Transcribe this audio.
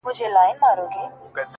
چي پاڼه وشړېدل’